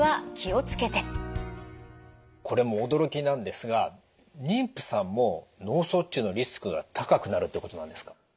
これも驚きなんですが妊婦さんも脳卒中のリスクが高くなるってことなんですか？